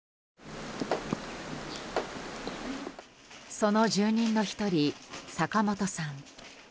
その住人の１人、坂本さん。